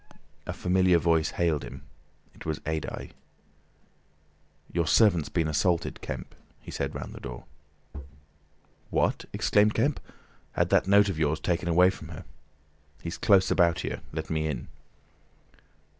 A familiar voice hailed him. It was Adye. "Your servant's been assaulted, Kemp," he said round the door. "What!" exclaimed Kemp. "Had that note of yours taken away from her. He's close about here. Let me in."